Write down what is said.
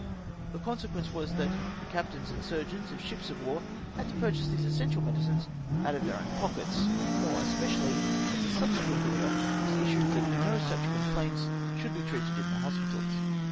The consequence was, that the captains and surgeons of ships of war had to purchase these essential medicines out of theu own pockets ! more especiaUy as a subse quent order was issued that no such complaints should be treated in the hospitals